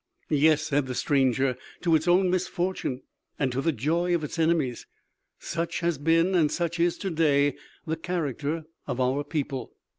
"Yes," said the stranger, "to its own misfortune and to the joy of its enemies such has been and such is to day the character of our own people!"